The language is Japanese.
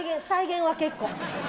再現は結構。